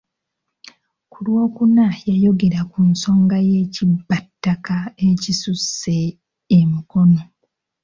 Ku lwokuna yayogera ku nsonga y’ekibbattaka ekisusse e Mukono.